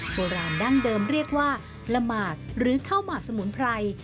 โบราณดั้งเดิมเรียกว่าละหมากหรือข้าวหมากสมุนไพร